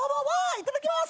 いただきます！